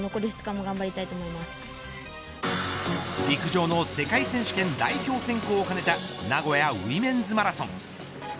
陸上の世界選手権代表選考を兼ねた名古屋ウィメンズマラソン。